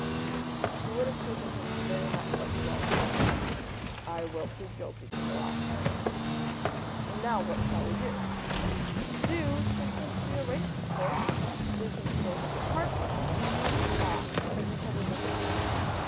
And she would have taken him for very much what he was. "I will plead guilty to the last item. And now, what shall we do?" "Do? Just as we arranged of course. We can stroll through the Park for half an hour talk make each other's acquaintance.